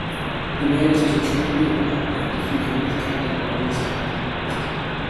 He managed to trick Neron and defeat him with Captain Marvel's help.